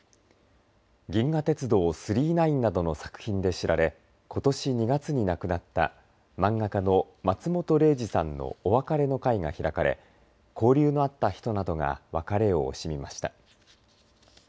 銀河鉄道９９９などの作品で知られことし２月に亡くなった漫画家の松本零士さんのお別れの会が開かれ交流のあった人などが別れを惜しみました。